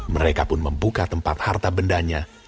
mereka pun membuka tempat harta bendanya